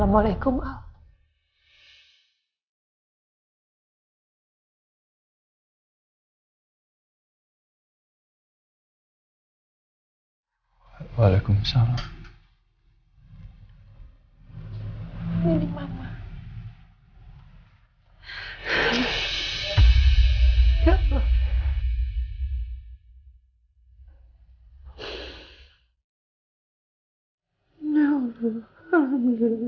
bila hari itu kasihku bekerja